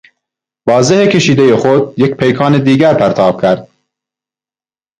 با زه کشیدهی خود یک پیکان دیگر پرتاب کرد.